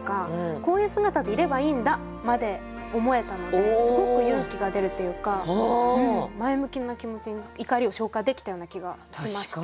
「こういう姿でいればいいんだ」まで思えたのですごく勇気が出るというか前向きな気持ちに怒りを昇華できたような気がしました。